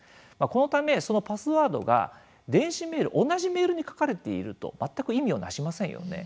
このためそのパスワードが同じメールに書かれていると全く意味を成しませんよね。